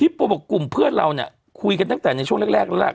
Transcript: โปบอกกลุ่มเพื่อนเราเนี่ยคุยกันตั้งแต่ในช่วงแรกแล้วล่ะ